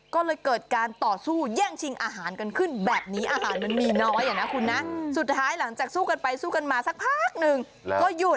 ก็เลยเกิดการต่อสู้แย่งชิงอาหารกันขึ้นแบบนี้อาหารมันมีน้อยอ่ะนะคุณนะสุดท้ายหลังจากสู้กันไปสู้กันมาสักพักหนึ่งก็หยุด